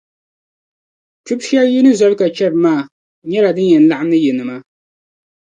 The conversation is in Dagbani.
Kpibu shεli yini zɔri ka chεri maa, nyɛla din yɛn laɣim ni yinima